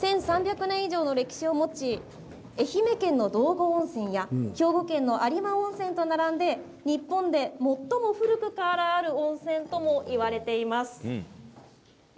１３００年以上の歴史を持ち愛媛県の道後温泉や兵庫県の有馬温泉と並んで日本で最も古くからある温泉ともいわれています。